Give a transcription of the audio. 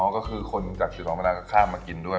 ก็คือคนจาก๑๒มะนาก็ข้ามมากินด้วย